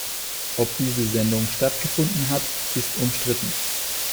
Ob diese Sendung stattgefunden hat, ist umstritten.